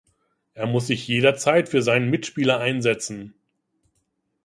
Er muss sich jederzeit für seinen Mitspieler einsetzen.